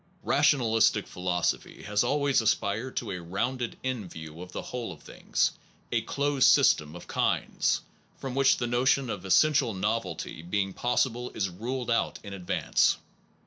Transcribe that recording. Rationalistic philosophy has always aspired to a rounded in view of the whole of things, a closed system of kinds, from which the notion of essential novelty being possible is ruled out in advance.